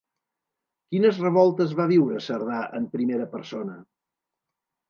Quines revoltes va viure Cerdà en primera persona?